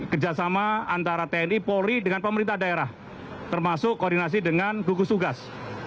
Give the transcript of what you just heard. kerjasama antara tni polri dengan pemerintah daerah termasuk koordinasi dengan gugus tugas